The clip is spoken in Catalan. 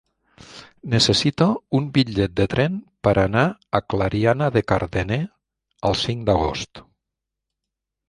Necessito un bitllet de tren per anar a Clariana de Cardener el cinc d'agost.